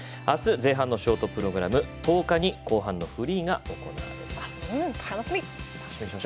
あす前半のショートプログラム１０日に後半のフリーが行われます。